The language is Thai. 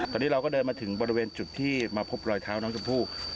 ตอนนี้เราก็เดินมาถึงบริเวณจุดที่มาพบรอยเท้าน้องชมพู่